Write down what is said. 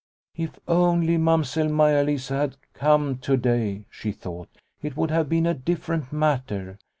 " If only Mamsell Maia Lisa had come to day," she thought, " it would have been a different matter.